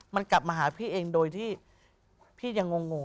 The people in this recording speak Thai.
มันกลับมาหาพี่เองโดยที่พี่ยังงง